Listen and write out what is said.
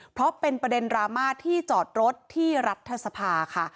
เพราะเป็นประเด็นดราม่าที่จอดรถที่รัฐสภาค่ะ